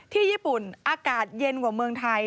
ที่ญี่ปุ่นอากาศเย็นกว่าเมืองไทย